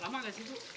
lama gak sih bu